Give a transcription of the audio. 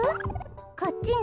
こっちね？